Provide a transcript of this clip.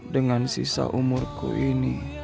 dengan sisa umurku ini